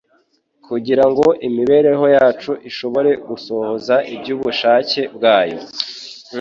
kugira ngo imibereho yacu ishobore gusohoza iby'ubushake bwayo.